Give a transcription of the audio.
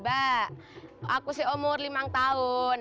aku masih umur lima tahun